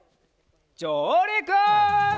じょうりく！